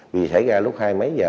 vì xảy ra lúc hai mấy giờ